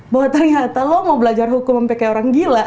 bahwa ternyata lo mau belajar hukum sampai kayak orang gila